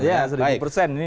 ya seribu persen ini